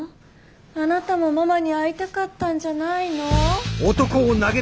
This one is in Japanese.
あなたもママに会いたかったんじゃないの？